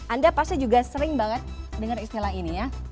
anda pasti juga sering banget dengar istilah ini ya